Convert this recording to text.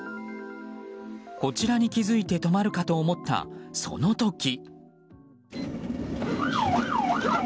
こちらに気づいて止まるかと思ったその時。